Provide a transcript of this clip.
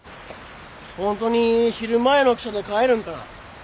本当に昼前の汽車で帰るんかな？